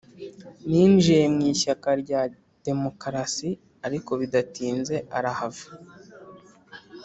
yinjiye mu ishyaka rya demokarasi ariko bidatinze arahava.